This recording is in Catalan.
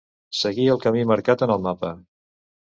Seguir el camí marcat en el mapa.